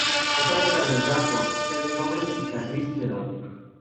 Es protagonizada por Seth Rogen y Charlize Theron.